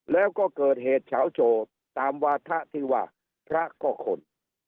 แล้วก็เกิดเหตุเฉาโชว์ตามวาถะที่ว่าพระก็คน